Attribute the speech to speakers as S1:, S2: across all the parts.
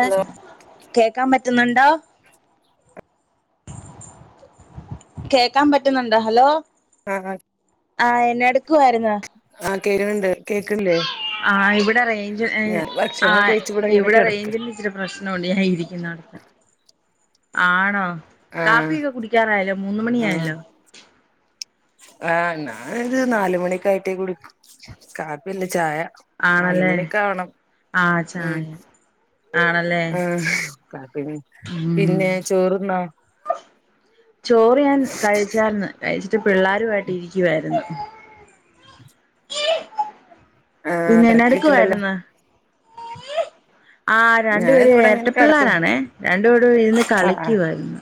S1: ഏ
S2: ഹലോ
S1: കേക്കാൻ പറ്റ്ന്ന്ണ്ടോ? കേക്കാൻ പറ്റ്ന്ന്ണ്ടോ ഹലോ
S2: ആഹ് ആ
S1: ആഹ് എന്നാട് ക്കുവായിര്ന്നു
S2: ആ കേൾക്കണണ്ട് കേക്കണില്ലേ
S1: ആ ഇവിടെ റേഞ്ച് ഏ
S2: ഞാൻ
S1: ആ
S2: ഭക്ഷണം കഴിച്ച് ഇങ്ങനെ
S1: ഇവിടെ
S2: കിടക്ക
S1: റേഞ്ചിന്റെ ഇച്ചിരി പ്രശ്നൊണ്ട് ഞാൻ ഇരിക്ക്‌ന്നോട്ത്ത്. ആണോ?
S2: ആഹ്
S1: കാപ്പിയൊക്കെ കുടിക്കാനായല്ലോ മൂന്ന്
S2: ആഹ്
S1: മണിയായല്ലോ?
S2: ആഹ് ഞാനൊര് നാല്മണിക്കെആയിട്ടേ കുടിക്കു കാപ്പിയല്ല ചായ
S1: ആണല്ലേ
S2: നാല്മണിയൊക്കെ ആവണം
S1: ആ
S2: ഉം
S1: ചായ ആണല്ലേ
S2: ഉം കാപ്പിയന്നി
S1: ഉം
S2: പിന്നെ ചോറ്ന്നാേ
S1: ചോറ് ഞാൻ കഴിച്ചാര്ന്ന് കഴിച്ചിട്ട് പിള്ളേരുവായിട്ടിരിക്കുവായ്ര്ന്നു.
S2: ആഹ്
S1: പിന്നെ എന്നാ
S2: തിരക്കൊക്കെണ്ടല്ലോ
S1: എടുക്കുവായ്ര്ന്ന്? ആ രണ്ട്
S2: ഞാനിത്
S1: പേരും
S2: ഇവിടെ ഇങ്ങനെ കിടക്ക
S1: എരട്ടപ്പിള്ളാരാണേ രണ്ട്പേരൂടെ ഇര്ന്ന് കളിക്കുവാര്ന്നു.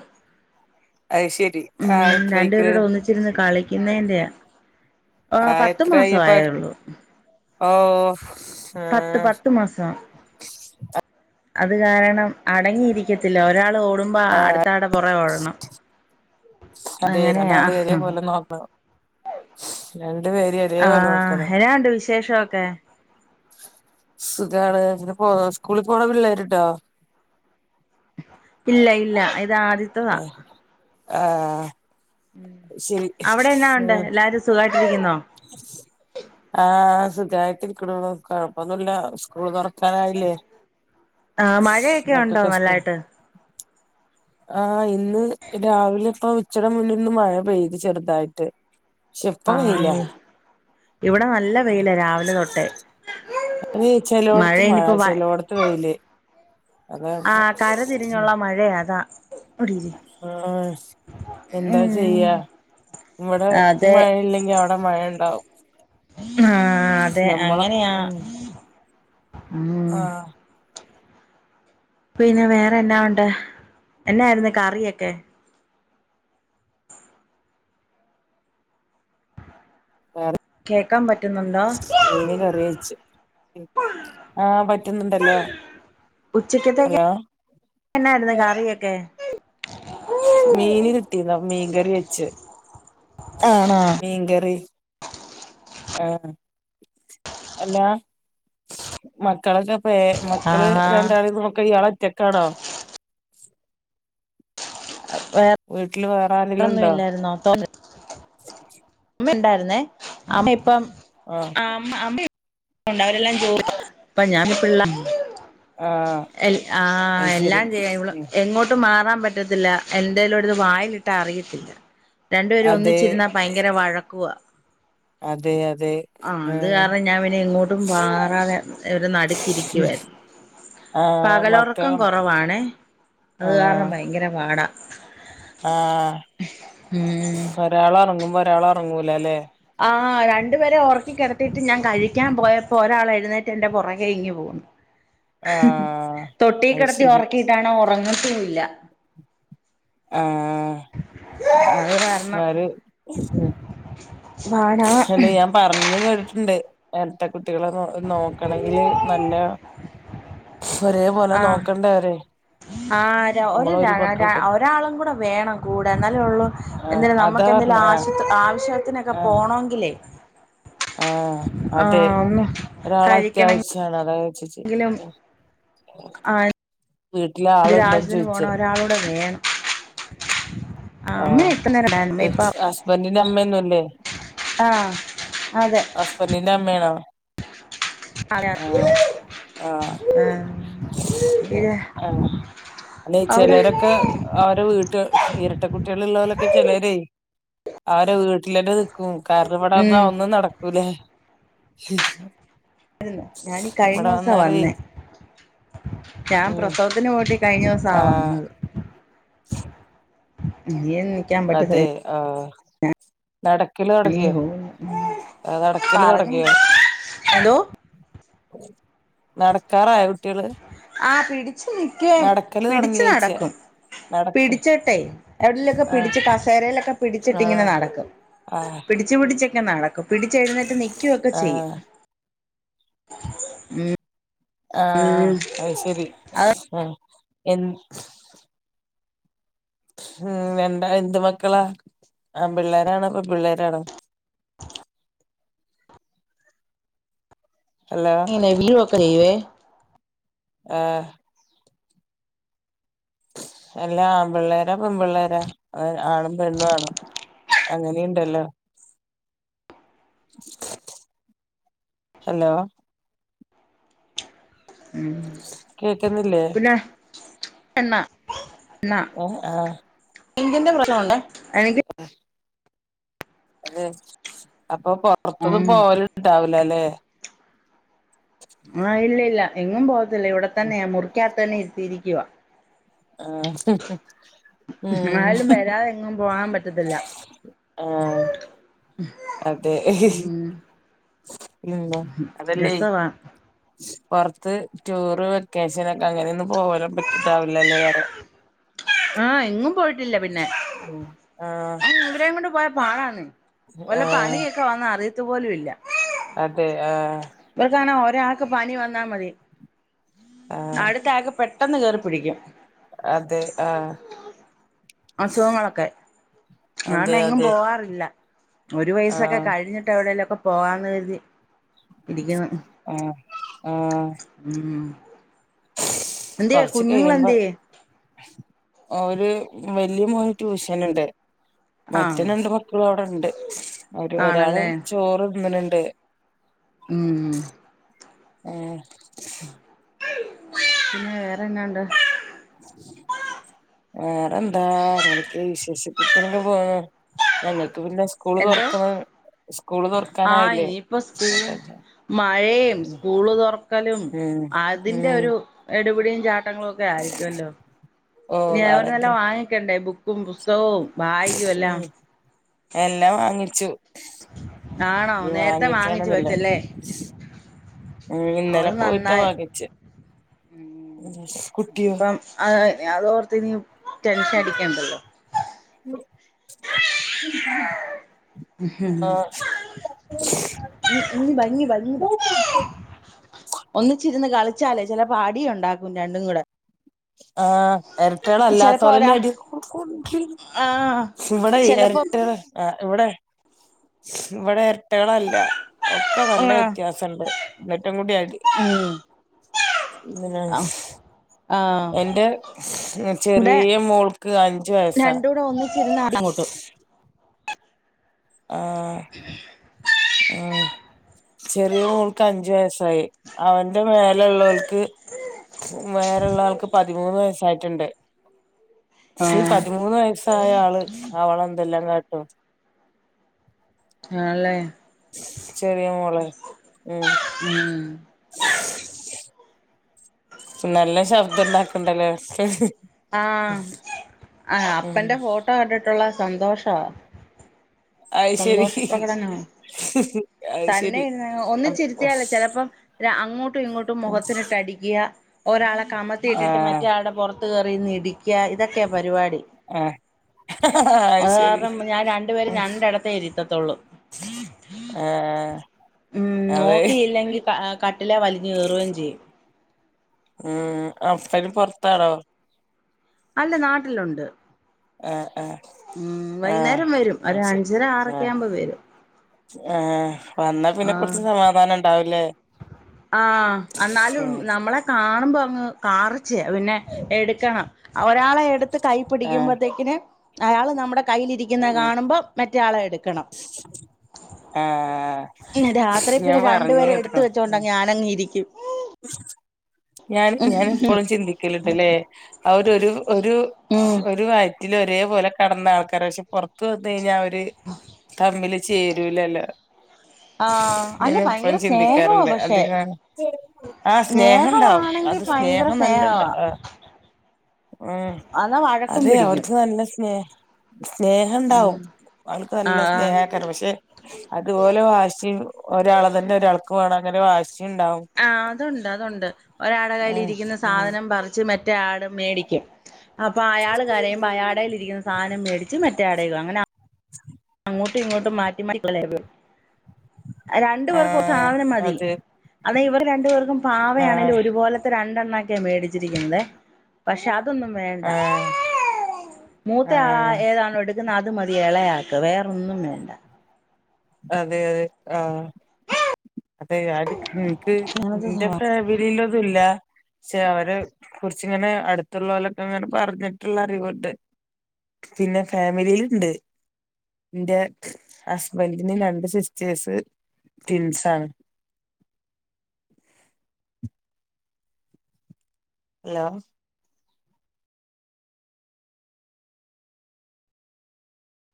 S2: അയ്ശരിരആഹ് എത്രയ്ക്ക്ണ്
S1: ന്നെന്റെയാ ആ പത്ത് മാസ
S2: എത്രയായിപ്പ
S1: ആയേ
S2: അവർക്ക്
S1: ഉള്ളൂ
S2: ഓഹ് ഉം
S1: മാസം അത് കാരണം അടങ്ങിയിരിക്കത്തില്ല ഒരാള് ഓ ടുമ്പ അടുത്താൾടെ പൊറകെ ഓടണം.
S2: അതെ
S1: അങ്ങനെയാ
S2: രണ്ടാളെയും ഒരേ പോലെ നോക്കണം [unintelligible] ഒരേ പോലെ നോക്കണം
S1: ആഹ് എന്നാണ്ട് വിശേഷൊക്കെ?
S2: [unintelligible] സ്കൂളി പോണ പിള്ളേര്ണ്ടോ
S1: ഇല്ല ഇല്ല. ഇ താദ്യത്തതാ
S2: ആഹ്
S1: ഉം അവിടെന്നാ ഉണ്ട് എല്ലാരും സുഖായി
S2: ആ സുഖായത്തിരിക്കുണു കുഴപ്പൊന്നല്ല സ്കൂള് തുറക്കാനായില്ലേ
S1: ആ മഴയൊക്കെ ഉണ്ടോ നല്ലായിട്ട്
S2: ആ ഇന്ന് രാവിലെ ഇപ്പൊ ഉച്ചടെ മുന്ന് ഇന്ന് മഴ പെയ്ത് ചെറ്തായിട്ട് ശെപ്പ
S1: ആ
S2: വെയില
S1: ഇവിടെ നല്ല വെയില രാവിലെ തൊട്ടേ
S2: തേ ചെലോടത്ത് മഴ
S1: ഇനിയിപ്പോ വ
S2: ചെലോടത്ത് വെയില് അതാ
S1: ആ കരതിരിഞ്ഞുള്ള മഴയ അതാ
S2: ആ എന്താ ചെയ്യ
S1: ഉം
S2: ഇവിടെ
S1: അതെ
S2: മഴയില്ലെങ്കി അവിടെ മഴ ഇണ്ടാവും
S1: ആ അതെ അങ്ങനെയാ
S2: ഉം ആഹ്
S1: ഉം പിന്നെ വേറെ എന്നാ ഉണ്ട് എന്നായിരുന്നേ കറിയൊക്കെ
S2: കറി
S1: കേക്കാൻ പറ്റുന്നുണ്ടോ
S2: മീന് കറിവെച്ചു ആ പ റ്റുന്നുണ്ടല്ലോ
S1: ഉച്ചക്കേത്തക്ക എന്നായിര്ന്നു കറിയൊക്കെ
S2: മീന് കിട്ടീന്നു അപ്പൊ മീൻകറി വെച്ച്
S1: ആണോ
S2: മീൻകറി ആ അല്ല മക്കളൊക്കെ പ്പേ മക്കള്
S1: ആഹാ
S2: രണ്ടാളെ നോക്കാൻ ഇയാളൊറ്റക്കാണോ വീട്ട് ലോ വേറെ
S1: വേറൊന്നും
S2: ആരെല്ണ്ടോ
S1: ഉമ്മ ഉണ്ടായിരുന്നേ അമ്മ ഇപ്പം
S2: ആഹ്
S1: ആ അമ്മ ഇ ഉണ്ടവരെല്ലാം ജോവാ പ്പ ഞാൻപ്പ പിള്ള
S2: ആഹ്
S1: എൽ ആ
S2: അത് ശരി
S1: എല്ലാം ചെയ്യാം ഇവ
S2: ഉം.
S1: എങ്ങോട്ട് മാറാ പറ്റത്തില്ല എന്തേലുട്ത് വായിലിട്ടാ അറിയത്തില്ല രണ്ടുപേരും
S2: അതെ
S1: ഒന്നിച്ചിരുന്നാ ഭയങ്കര വഴക്കുവ
S2: അതെ അതെ
S1: ആ അത്
S2: ആഹ്
S1: കാരണം ഞാൻ പിന്നെ എങ്ങോട്ടും മാറാതെ ഇവരെ നടുക്കിരിക്കുവായിര്ന്ന്
S2: ആഹ്
S1: പകലൊറക്കം
S2: മക്കളും
S1: കൊറവാണേ അത് കാരണം ഭയങ്കര പാടാ
S2: ആ
S1: ഉം
S2: ഒരാളറങ്ങുമ്പോ ഒരാളൊറങ്ങൂല ല്ലലേ
S1: ആ രണ്ടുപേരെ ഒറക്കിക്കിടത്തിയിട്ട് ഞാൻ കഴിക്കാൻപോയപ്പോ ഒരാൾ എഴുന്നേറ്റ് എന്റെ പുറകെയിങ്ങുപോന്നു
S2: ആഹ് അത്
S1: തൊട്ടിയിൽകെടത്തി
S2: ശരി
S1: ഒറക്കിയിട്ടാണേ ഒറങ്ങത്തുല്ല
S2: ആഹ്
S1: അത് കാരണം
S2: ആര്.. ഉം..
S1: പാടാ
S2: എന്ന് ഞാൻ പറഞ്ഞുകേട്ടിട്ടുണ്ട്. എരട്ടകുട്ടികളെനോ.. നോക്കണമെങ്കിൽനല്ല..
S1: ആഹ്.. ആ.. ഒരു,
S2: നമ്മള് മക്കൾ തന്നെ
S1: ഒരാളും കൂടെ വേണം കൂടെ എന്നല്ലേയുള്ളൂ.
S2: ആഹ്
S1: എന്തിന്
S2: അതാ പറഞ്ഞ
S1: നമുക്കെന്തേലും
S2: ആഹ്
S1: ആശു.. ആശ [unintelligible] അതിനൊക്കെ പോണമെങ്കിലേ..
S2: ആ.. അതെ
S1: ആഹ് ഒന്ന്
S2: ഒരാൾ
S1: കഴിക്കണെങ്കിലും
S2: അത്യാവശ്യണ്. അതായത്, വീട്ടില്
S1: ത്
S2: ആളുണ്ടോന്ന് ചോയിച്ചേ
S1: രാജ്യത്തിന്പോണം ഒരാളൂടെ വേണം. ആഹ്
S2: ആ
S1: അമ്മ എത്ര നേരം ഉണ്ടായിരുന്നു അമ്മ
S2: ഹസ്, ഹസ്ബൻറിന്റെ അമ്മയൊന്നുമില്ലേ.
S1: ആ
S2: ഹസ്ബന്റിന്റെ അമ്മയാണോ?
S1: അതെ
S2: ആ..
S1: ആഹ്
S2: ആ..
S1: ഇത്
S2: ആ.. അല്ലേ
S1: അവിടെ
S2: ചിലരൊക്കെ അവരെ വീട്ടൽ ഇരട്ടകുട്ടികൾ ഉള്ളവരൊക്കെ ചിലരേ. അവരെ വീട്
S1: ഉം
S2: [unintelligible] നടക്കൂലേ,
S1: ആ.. ഞാൻ കഴിഞ്ഞ ദിവസവാവന്നേ ഞാൻ
S2: ഉം
S1: പ്രസവത്തിന് പോയിട്ട്. കഴിഞ്ഞ ദിവസവാ
S2: ആഹ്
S1: വന്നത്. എണീക്കാൻ പറ്റുന്നെ
S2: നടക്കില് തുടങ്ങിയോ?
S1: പോകുന്നു
S2: അ.. ആ.. നടക്കല്
S1: പറഞ്ഞ്
S2: തുടങ്ങിയോ?
S1: എന്തോ
S2: നടക്കാറായോ? കുട്ടികള്
S1: ആ, പിടിച്ചു നിക്കയും
S2: നടക്കല് തൊടങ്ങിയോയ്ച്ച
S1: പിടച്ചനടക്കും.
S2: നടത്ത
S1: പിടിച്ചിട്ടേ എവിടെലൊക്കെ
S2: ആഹ്
S1: പിടിച്ച്, കസേരയിലൊക്കെ. പിടിച്ചിട്ടിങ്ങനെ
S2: ആഹ്
S1: നടക്കും
S2: ആഹ്
S1: പിടിച്ച് പിടി ടിച്ചൊക്കെ നടക്കും. പിടിച്ചെഴുന്നേറ്റ് നിക്കുവൊക്കെ ചെയ്യും.
S2: ആഹ്
S1: മ്
S2: ആ അത് ശെരി ആ എൻ ഉം എന്താ എന്ത് മക്കളാ ആമ്പിള്ളേരാണോ പെമ്പിള്ളേരാണോ ഹലോ
S1: [unintelligible]
S2: ആ എല്ലാ ആമ്പിള്ളേരാ പെമ്പിള്ളേരാ ആണും പെണ്ണും ആണ് അങ്ങനെയുണ്ടല്ലോ. ഹലോ
S1: ഉം
S2: കേക്കുന്നില്ലേ
S1: പിന്നെ എണ്ണ
S2: ഉം ആ
S1: എന്തിൻ്റെ [unintelligible] അതിൻ്റെ
S2: [unintelligible] അപ്പൊ പ്പൊർ റത്തൊന്നും
S1: ഉം
S2: പോൽ ണ്ടാ വൂലലേ
S1: ആ ഇല്ലില്ല ല്ല എങ്ങും പോകത് ല്ല ഇവിടത്തന്നെയാ മുറിക്കാത്തന്നെ ഇരുതീരി ലീവ.
S2: ആ
S1: ആര്ലും വരാതെങ്ങും പൂവാൻ പറ്റ
S2: ആ അതെ
S1: ഉം
S2: അതല്ലേ
S1: രസവാ
S2: പൊറത്ത് റ്റൂറ് വെക്കേഷനൊക്കെ അങ്ങനൊന്നും പോവല് പറ്റ് ണ്ടാവില്ലല്ലേ റെ
S1: ആ എങ്ങും പോയിട്ട് ല്ലപിന്നെ
S2: ഉം ആഹ്
S1: ഇവരേംകൊണ്ട് പോയ പാടാൺ വല്ല
S2: ആഹ്
S1: പണിയൊക്കെ വന്ന അറി പോലുമില്ല.
S2: അതെ ആ
S1: ഇവക്കാണെ [unintelligible] രാക്ക് പനി വന്നാ മതി
S2: ആഹ്
S1: അടുത്താകപ്പെട് പെട്ടെന്ന് കേറി പിടിക്കും
S2: അതെ ആഹ്
S1: അസുഖങ്ങളൊക്കെ
S2: അതെ
S1: അതോണ്ട് എങ്ങും
S2: അതെ
S1: പോവാറില്ല ഒരു വയസൊക്കെ
S2: ആഹ്
S1: കഴിഞ്ഞിട്ട് എവിടേലൊക്കെ പോവാന്ന് കരുതി ഇരിക്ക്ന്ന്.
S2: ആ ആ
S1: എന്ത്യെ കുഞ്ഞുങ്ങളെന്ത്യെ?
S2: ഓര് വല്യേ മോന് ട്യൂഷനുണ്ട് മറ്റേ
S1: ആഹ്
S2: രണ്ട് മക്കളും അവിടെണ്ട് അവര് ഒരാള്
S1: ആണല്ലേ
S2: ചോറ്ന്ന്ണ് ണ്ട്
S1: ഉം
S2: ഏ
S1: പിന്നെ വേറെന്നാ ണ്ട്
S2: വേറെന്താ അങ്ങനൊക്കെ വിശേഷിക്ക [unintelligible] പോയോ ഞങ്ങൾ
S1: എന്തോ
S2: സ്കൂള്
S1: ആ
S2: തുറക്കാനായില്ലേ
S1: ഇയിപ്പോ സ്കൂളും മഴേം
S2: ഉം
S1: സ്കൂള് തുറക്കലും അതിന്റെ
S2: ഉം
S1: ഒരു എ ഇവിടെയും ജാ [unintelligible] ങ്ങളൊക്കെ ആയിരിക്കൊല്ലോ
S2: ഓഹ് അതന്നെ
S1: [unintelligible] വാങ്ങിക്കണ്ടേ ബുക്ക് ബുക്കും പുസ്തകവും ബാഗും എല്ലാം.
S2: ഉം
S1: ആണോ
S2: ഇ
S1: നേരത്തെ വാങ്ങിച്ചു
S2: വാങ്ങിക്കാനോന്നില്ല
S1: വെച്ചല്ലേ
S2: ഇന്നലെ
S1: അത്
S2: പോയിട്ടാ
S1: നന്നായി
S2: വാങ്ങിച്ച് കുട്
S1: ഇപ്പം [unintelligible] അതോർത്തിനിയും- ടെൻഷൻ അടിക്കെണ്ടല്ലോ?
S2: ആഹ്
S1: ഇ ഭംഗി ഭംഗി ഒന്നിച്ചിരുന്ന കാലത്തി ലാണേ ചെലപ്പോ അടി ഒണ്ടാക്കും രണ്ടും കൂടെ-
S2: ആഹ് എരട്ടള
S1: ചിലപ്പോ
S2: അല്ലാത്തവരന്നെ
S1: ഒരാ
S2: അടി
S1: ആഹ്
S2: ഇവിടെ
S1: ചിലപ്പം
S2: ഇരട്ടകൾ- ഇവിടെ ഇവിടെ ഇരട്ടകളല്ല- ഒക്കെ നല്ല
S1: ആഹ്
S2: വ്യത്യാസുണ്ട് എന്നിട്ടും കൂടിയായിട്ട്
S1: ഉം ആഹ്
S2: [unintelligible]
S1: ആഹ്
S2: എന്റെ
S1: ഇവിടെ
S2: ചെറിയ മോൾക്ക് അഞ്ചു വയസ്സാ
S1: രണ്ടൂടെ ഒന്നിച്ചിരുന്ന് അടി കൂട്ടും
S2: ആ ആ ചെറിയ മോൾക്ക് അഞ്ചു വയസായി അവന്റെ മേലുള്ളക്ക് വേറെുള്ള ആൾക്ക് പതിമൂന്ന് വയസ്സ് യിട്ടുണ്ട് ഈ
S1: ആഹ്
S2: പതിമൂന്ന് വയസ്സായ ആള് അവള എന്തെല്ലാം കാ ട്ടും [unintelligible]
S1: ആണ് ആല്ലേ
S2: ചെറിയ മോളെ-
S1: ഉം
S2: നല്ല ശബ്ദംണ്ടാക്കണ്ടല്ലോ
S1: ആഹ ആ
S2: ഉം
S1: അപ്പന്റെ ഫോട്ടോ കണ്ടിട്ടുള്ള സന്തോഷമാ
S2: അത് ശരി
S1: സന്തോഷപ്രകടനമാണ്
S2: അത്
S1: തന്നെ
S2: ശരി അം
S1: ഒന്നിച്ചിരുത്തിയാല ചിലപ്പോം അങ്ങോട്ടും ഇങ്ങോട്ടും
S2: ഉം
S1: മുഖത്തി ഇട്ട് അടിക്കുക- ഒരാളെ കമത്തി ഇട്ടിട്ട്
S2: ആഹ്
S1: മറ്റയാളുടെ പുറത്ത് കയറി നിന്ന് - നിയിക്കുക ഇതൊക്കെ പരിപാടി
S2: ആഹ് ഹ് ഹ ഹാ അയ്‌ ശരി അ
S1: ത്തരിത്ത ത്തുള്ളൂ
S2: ആഹ്
S1: ഉം
S2: അതെ
S1: നോക്കിയില്ലെങ്കിൽ കട്ടില വലിഞ് കേറയും ചെയ്യും
S2: മം അപ്പന് പൊറത്തണൊ
S1: അല്ല നാട്ടിലുണ്ട്
S2: അ
S1: ഉം
S2: അ
S1: വൈകുന്നേരം വരും ഒരു
S2: ആശരി
S1: അഞ്ചര
S2: ആ
S1: ആറൊക്കെ ആവുമ്പോ വരും
S2: ആ വന്നാ പിന്നെ കുറച്ച് സമാധാനം ഉണ്ടാവൂല്ലേ
S1: ആ എന്നാലും നമ്മളെ കാ- കാണുമ്പോ അങ്ങ് കാറച്ച പിന്നെ എടുക്കണം ഒരാളെ എടുത്ത് കൈ
S2: ആഹ്
S1: പിടിക്കുമ്പോഴത്തേക്കിന്- അയാള് നമ്മുടെ- കയ്യിലിരിക്കിന്നത്
S2: ഉം
S1: കാണുമ്പോം മറ്റയാളെ എടുക്കണം
S2: ആഹ്
S1: പിന്നെ രാത്രി
S2: ഞാൻ
S1: പിന്നെ രണ്ട്
S2: പറഞ്ഞ്
S1: പേരെ ടുത്ത്
S2: കേട്ട്ക്ക്ണ് ഉം
S1: വെച്ചോണ്ട ഞാനങ്ങ്- ഇരിക്കും
S2: [unintelligible] ഞാൻ ഞാൻ ഞാനപ്പോളും ചിന്തിക്കലണ്ട്ല്ലേ അവര് ഒരു ഒരു
S1: ഉം
S2: വയസ - വയറ്റിൽ ഒരേപലെ കടന്ന ആൾക്കാര പക്ഷെ പുറത്ത് വന് കഴിഞ്ഞാൽ- കറങ്ങിൽ ചേരൂലല്ലോ
S1: ആഹ്
S2: ഞാൻ
S1: അല്ല
S2: ഇപ്പഴും
S1: ഭയങ്കര സ്നേഹവാ
S2: ചിന്തിക്കാറ്ണ്ട്
S1: പക്ഷെ
S2: അധിക- ആ സ്നേഹം ണ്ടാവും
S1: സ്നേഹവാണെങ്കി
S2: അത്
S1: ഭയങ്കര
S2: സ്നേഹം നല്ലണ്ട
S1: സ്നേഹവാ
S2: ആ
S1: എന്നാ വഴക്കും
S2: അതെ
S1: പിടിക്കും
S2: അവർക്ക് നല്ല സ്നേഹ സ്നേഹം ണ്ടാവും
S1: ഉം
S2: ആൾക്ക് നല്ല
S1: ആഹ്
S2: സ്നേഹക്കാരം പക്ഷെ അതുപോലെ വാഷിം ഒരാളാതന്നെ ഒരാ ക്ക്‌ വേണം അങ്ങെനെ വാശി മം ണ്ടാവും
S1: ആഹ് അതുണ്ട് അതുണ്ട് ഒരാട കയ്ൽ ഇരിക്കുന്ന
S2: ഉം
S1: സാധനം പറിച്ച് മേ മറ്റ ആട് മേടിക്കും അപ്പൊ അയാള് കാരയുമ്പ അയാടൽ ഇരിക്കുന്ന സാധനം മേടിച്ച് മറ്റേട അങ്ങന ഇങ്ങോട്ടും ഇങ്ങോട്ടും മാറ്റി മ [unintelligible] രണ്ടു
S2: ആ
S1: പേർക്കും ഒരു സാധനം മതി
S2: അത്
S1: അതെ ഇവർ രണ്ടു പർക്കു
S2: ആ
S1: പാവയാണെലും ഒരുപോലത്തെ [unintelligible] മേടിച്ചിരിക്കുന്നത് പക്ഷെ അതൊന്നും വേണ്ട
S2: ആഹ്
S1: മൂത്ത ആള്
S2: ആഹ്
S1: ഏതാണോ എടുക്കുന്ന അത് മതി എളയാ വേറൊന്നും വേണ്ട
S2: അതെ അതെ ആ അതെ [unintelligible]
S1: അങ്ങനത്തെ
S2: എന്റെ
S1: സ്വഭാവ
S2: ഫാമിലിയില്ലാത്തില്ല പക്ഷെ അവരെ കുറച്ചിങ്ങനെ അടുത്തുള്ളവലൊക്കെ ഇങ്ങനെ പറഞ്ഞിട്ടുള്ള അറിവുണ്ട് പിന്നെ ഫാമിലിയിലിണ്ട് എന്റെ ഹസ് വലിതിന് രണ്ട് സിസ്റ്റേഴസ് ട്വിൻസാണ് ഹലോ